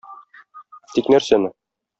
Тик нәрсәне?